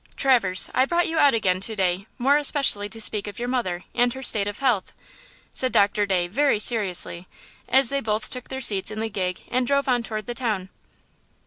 "Traverse, I brought you out again to day more especially to speak of your mother and her state of health," said Doctor Day, very seriously, as they both took their seats in the gig and drove on toward the town.